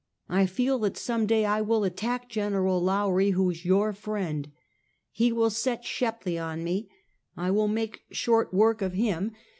I feel that some day I will attack Gen. Lowrie, who is your friend. He will set Shepley on me; I will make short work of him.